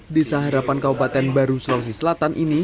desa harapan kabupaten baru sulawesi selatan ini